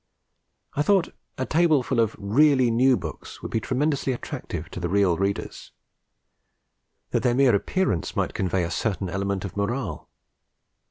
I thought a tableful of really new books would be tremendously attractive to the real readers, that their mere appearance might convey a certain element of morale.